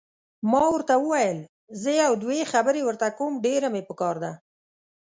ما ورته وویل: زه یو دوې خبرې ورته کوم، ډېره مې پکار ده.